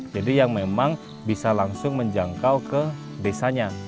jadi yang memang bisa langsung menjangkau ke desanya